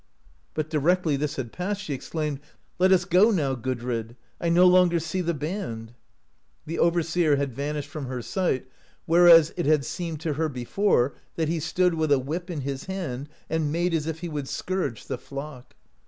But directly this had passed she exclaimed, "Let us go now, Gudrid; I no longer see the band!" The overseer had vanished from her sight, whereas it had seemed to her before that he stood with a whip in his hand and made as if he would scourge the flock.